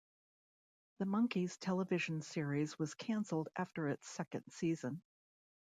The Monkees' television series was canceled after its second season.